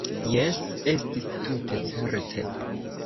Jes, estis tute certe.